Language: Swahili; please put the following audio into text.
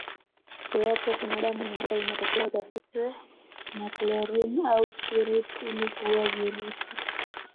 Iwapo kuna damu imemwagika inatakiwa isafishwe na chlorine au spirit ili kuua virusi